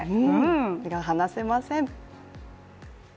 目が離せません。